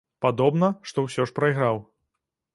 Падобна, што ўсё ж прайграў.